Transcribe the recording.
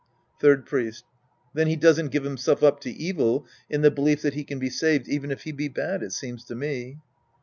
Third Priest. Then he doesn't give himself up to evil in the belief that he can be saved even if he be bad, it seems to me.